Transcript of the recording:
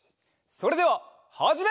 それでははじめ！